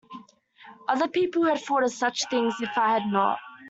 Other people had thought of such things, if I had not.